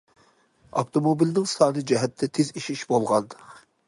ئاپتوموبىلنىڭ سانى جەھەتتە تېز ئېشىش بولغان.